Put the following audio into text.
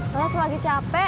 laras lagi capek